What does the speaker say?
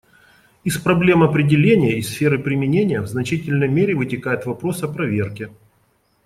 Из проблем определения и сферы применения в значительной мере вытекает вопрос о проверке.